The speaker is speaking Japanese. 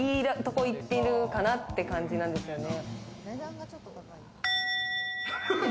いいとこ行ってるかなっていう感じなんですよね。